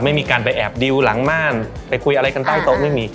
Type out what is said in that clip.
ไม่มีการไปแอบดิวหลังม่านไปคุยอะไรกันใต้โต๊ะไม่มี